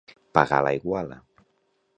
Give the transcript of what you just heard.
Pagar la iguala.